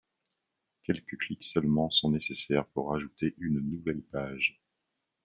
Quelques clics seulement sont nécessaires pour ajouter une nouvelle page.